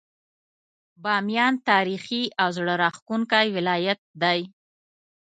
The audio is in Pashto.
باميان تاريخي او زړه راښکونکی ولايت دی.